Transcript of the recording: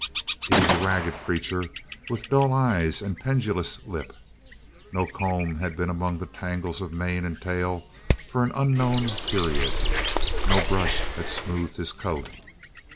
He was a ragged creature with dull eyes and pendulous lip. No comb had been among the tangles of mane and tail for an unknown period; no brush had smoothed his coat.